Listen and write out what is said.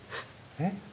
えっ？